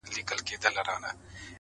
شاهینان وه چي کوترې یې خوړلې-